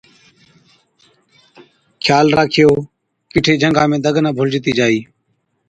’خيال راکيو، ڪِٺي جھنگا ۾ دگ نہ ڀُلجتِي جائِي‘۔